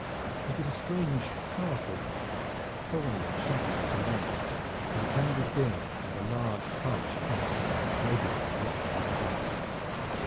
It was a strange powerful head, tawny and shaggy like a lion's, with a tangled beard and a large harsh face, bloated and blotched with vice.